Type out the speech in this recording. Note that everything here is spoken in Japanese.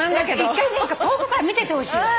一回遠くから見ててほしい。